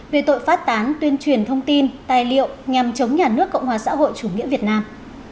về tội phát tán tuyên truyền thông tin tài liệu nhằm chống nhà nước cộng hòa xã hội chủ nghĩa việt nam